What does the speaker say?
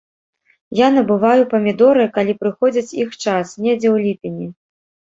Я набываю памідоры, калі прыходзіць іх час, недзе ў ліпені.